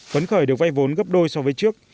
phấn khởi được vay vốn gấp đôi so với trước